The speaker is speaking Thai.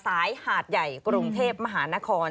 สายหาดใหญ่กรุงเทพมหานคร